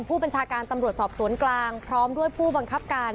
ผู้บัญชาการตำรวจสอบสวนกลางพร้อมด้วยผู้บังคับการ